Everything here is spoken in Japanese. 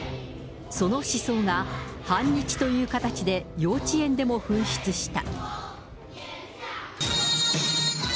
その思想が反日という形で幼稚園でも噴出した。